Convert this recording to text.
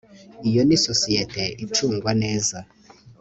iyo ni sosiyete icungwa neza